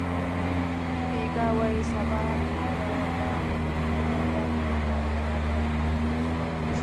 بېګا وایې سبا له به خوله درکړم دا بېګا د رحمان کله سبا کېږي